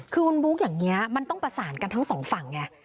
คือคุณบุ๊คอย่างนี้มันต้องประสานกันทั้งสองฝั่งไง